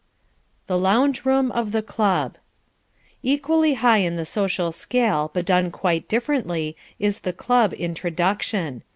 The Lounge Room of the Club Equally high in the social scale but done quite differently is the Club Introduction.